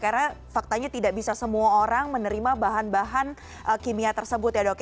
karena faktanya tidak bisa semua orang menerima bahan bahan kimia tersebut ya dok